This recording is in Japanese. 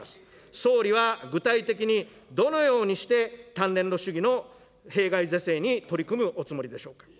総理は具体的にどのようにして単年度主義の弊害是正に取り組むおつもりでしょうか。